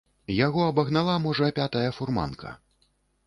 Яго абагнала, можа, пятая фурманка.